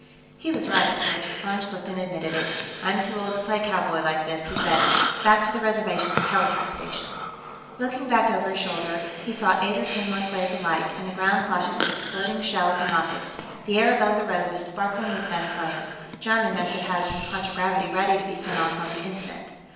He was right, of course. Von Schlichten admitted it. "I'm too old to play cowboy, like this," he said. "Back to the Reservation, telecast station." Looking back over his shoulder, he saw eight or ten more flares alight, and the ground flashes of exploding shells and rockets; the air above the road was sparkling with gun flames. Jarman must have had some contragravity ready to be sent off on the instant.